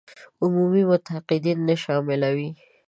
عمومي متقاعدين نه شاملوي.